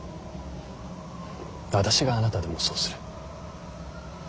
私があなたでもそうする。